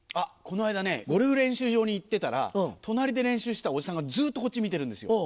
この間ねゴルフ練習場に行ってたら隣で練習してたおじさんがずっとこっち見てるんですよ。